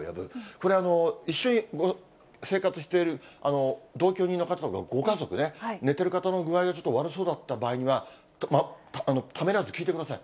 これ、一緒に生活している同居人の方やご家族ね、寝てる方の具合がちょっと悪そうだった場合には、ためらわず聞いてください。